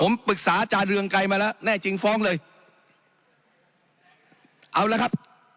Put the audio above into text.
ผมปรึกษาอาจารย์เรืองไกรมาแล้วแน่จริงฟ้องเลยเอาละครับ